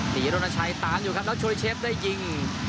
หรีโรนาชัยตันอยู่ครับแล้วโชลเชฟได้ยิง